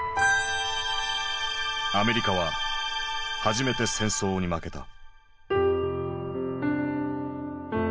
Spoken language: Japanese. アメリカは初めて戦争に負けた。